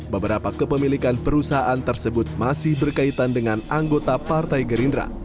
beberapa kepemilikan perusahaan tersebut masih berkaitan dengan anggota partai gerindra